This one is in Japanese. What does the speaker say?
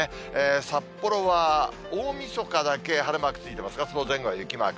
札幌は大みそかだけ晴れマークついてますが、その前後は雪マーク。